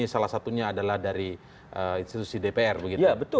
salah satunya adalah dari institusi dpr begitu